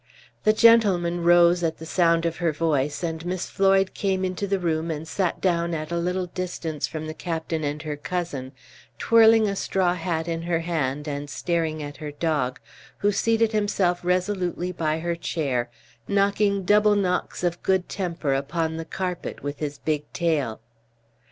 The gentlemen rose at the sound of her voice, and Miss Floyd came into the room and sat down at a little distance from the captain and her cousin, twirling a straw hat in her hand and staring at her dog, who seated himself resolutely by her chair, knocking double knocks of good temper upon the carpet with his big tail.